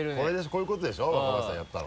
こういうことでしょ若林さんやったの。